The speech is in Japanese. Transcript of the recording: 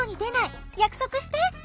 やくそくして。